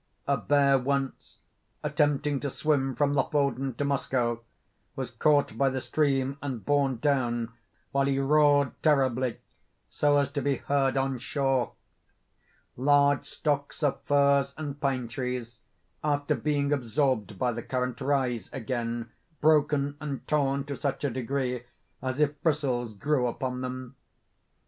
A bear once, attempting to swim from Lofoden to Moskoe, was caught by the stream and borne down, while he roared terribly, so as to be heard on shore. Large stocks of firs and pine trees, after being absorbed by the current, rise again broken and torn to such a degree as if bristles grew upon them.